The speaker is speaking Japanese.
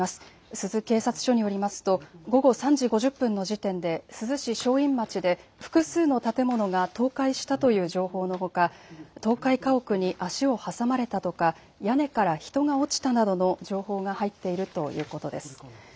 珠洲警察署によりますと午後３時５０分の時点で珠洲市正院町で複数の建物が倒壊したという情報のほか倒壊家屋に足を挟まれたとか屋根から人が落ちたなどの情報が入っているということです。